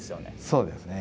そうですね。